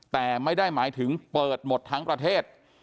แต่ไม่ได้หมายถึงเปิดหมดทั้งประเทศ